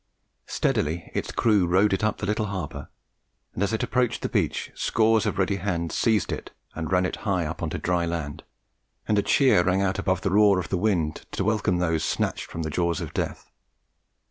Steadily its crew rowed it up the little harbour, and as it approached the beach scores of ready hands seized it and ran it high up on to dry land, and a cheer rang out above the roar of the wind to welcome those snatched from the jaws of death.